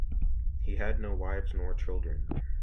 He had no wives nor children.